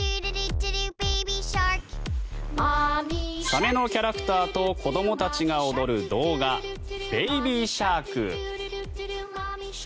サメのキャラクターと子どもたちが踊る動画「ベイビー・シャーク」。